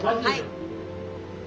はい。